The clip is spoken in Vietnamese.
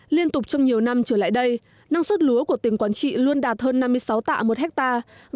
liên tục trong nhiều năm trở lại đây năng suất lúa của tỉnh quảng trị luôn đạt hơn năm mươi sáu tạ một hectare